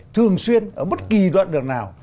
thường xuyên ở bất kì đoạn đường nào